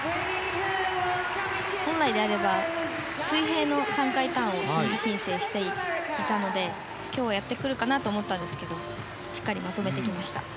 本来であれば、水平の３回ターンを申請していたので今日やってくるかなと思っていたんですがしっかりまとめてきました。